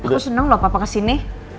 aku senang loh papa kesini